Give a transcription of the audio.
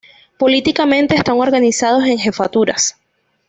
Políticamente están organizados en jefaturas.